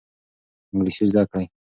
انګلیسي زده کړئ.